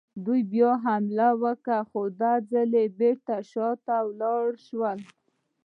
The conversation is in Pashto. دوی بیا حمله وکړه، خو دا ځل هم بېرته شاتګ ته اړ شول.